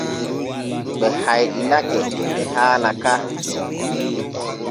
Ɓe hayɗinake e haala ka.